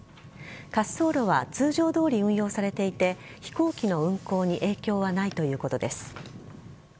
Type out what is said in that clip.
滑走路は通常どおり運用されていて飛行機の運航に影響はないということです。